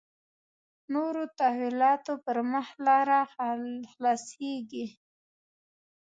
نورو تحولاتو پر مخ لاره خلاصېږي.